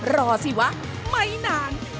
รอสิวะไม่นาน